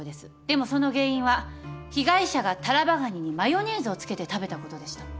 でもその原因は被害者がタラバガニにマヨネーズをつけて食べたことでした。